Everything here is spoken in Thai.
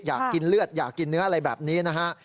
อยากกินเลือดอยากกินเนื้ออะไรแบบนี้นะฮะ